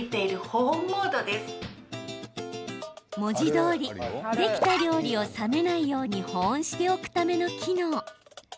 文字どおりできた料理を冷めないように保温しておくための機能。